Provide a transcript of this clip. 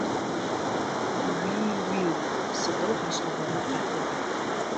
Уи-уиу! Сыдэу гъэшӏэгъона къапӏорэр!